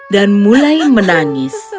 dan mulai menangis